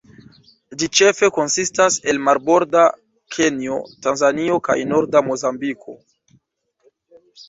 Ĝi ĉefe konsistas el marborda Kenjo, Tanzanio kaj norda Mozambiko.